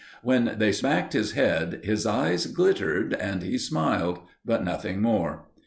When they smacked his head, his eyes glittered and he smiled, but nothing more.